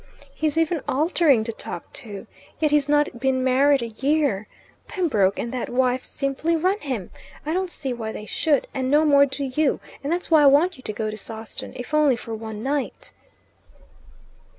He's even altering to talk to. Yet he's not been married a year. Pembroke and that wife simply run him. I don't see why they should, and no more do you; and that's why I want you to go to Sawston, if only for one night."